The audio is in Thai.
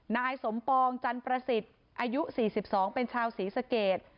นายสมปองจันประสิทธิ์อายุ๔๒เป็นชาวศรีสเกต